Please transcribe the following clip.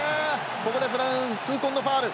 ここでフランス痛恨のファウル。